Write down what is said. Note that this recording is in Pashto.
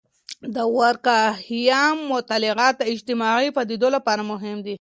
د دورکهايم مطالعات د اجتماعي پدیدو لپاره مهم دي.